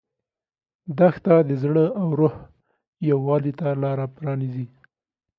دښته د زړه او روح یووالي ته لاره پرانیزي.